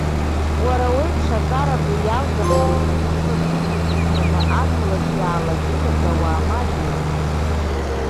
Уара уеиԥш аҵара ду иалганы аперспектива дуқәагьы зманы ақалақь иаалагылаз ауаа маҷҩуп.